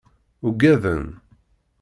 Uggaden.